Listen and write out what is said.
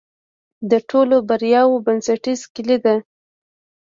د ټولو بریاوو بنسټیزه کلي ده.